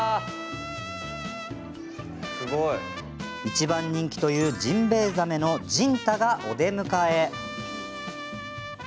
一番人気というジンベエザメのジンタがお出迎え。